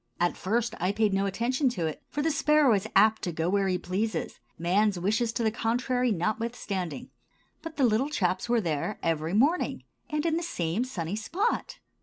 At first I paid no attention to it, for the sparrow is apt to go where he pleases, man's wishes to the contrary notwithstanding. But the little chaps were there every morning, and in the same sunny spot.